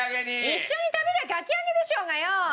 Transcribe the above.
一緒に食べりゃかき揚げでしょうがよ！